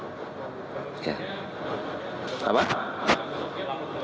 di rumah sakit pusat angkatan darat kemudian dua